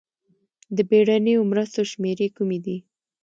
د بېړنیو مرستو شمېرې کومې دي؟